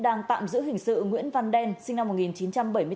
đang tạm giữ hình sự nguyễn văn đen sinh năm một nghìn chín trăm bảy mươi bốn